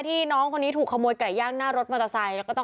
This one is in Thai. ที่น้องคนนี้ถูกขโมยไก่ย่างหน้ารถมัรทราไซค์